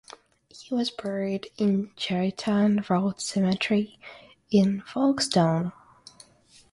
He was buried in Cheriton Road Cemetery in Folkestone.